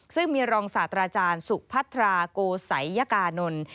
ซึ่งมีรองศาสตราอาจารย์สุขภัทราโกสัยกานล